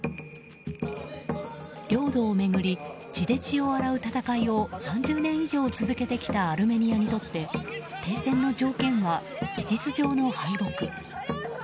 領土を巡り血で血を洗う戦いを３０年以上続けてきたアルメニアにとって停戦の条件は事実上の敗北。